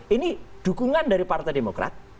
ini dukungan dari partai demokrat